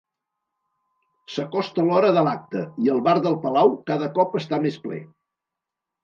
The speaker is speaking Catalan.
S'acosta l'hora de l'acte i el bar del Palau cada cop està més ple.